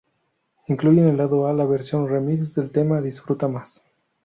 Incluye en el Lado A la "versión remix" del tema ""Disfruta Más"".